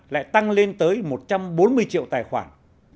lại tăng lên tới một trăm bốn mươi triệu tài khoản